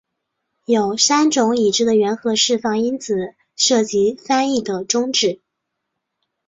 有三种已知的原核释放因子涉及翻译的终止。